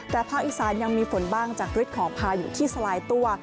แต่ภาคอีสานยังมีฝนบ้างจากฤทธิ์ของพายุที่สลายตัว